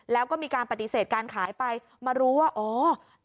แล้วก็มีการปฏิเสธการขายไปมารู้ว่าอ๋อ